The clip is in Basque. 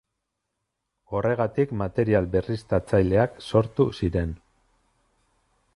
Horregatik material berriztatzaileak sortu ziren.